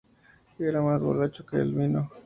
Era más borracho que el vino